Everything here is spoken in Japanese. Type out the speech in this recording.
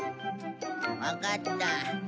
わかった。